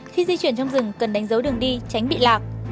khi di chuyển trong rừng cần đánh dấu đường đi tránh bị lạc